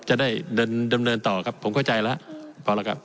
จะได้เดินดำเนินต่อครับผมเข้าใจแล้วพอแล้วครับ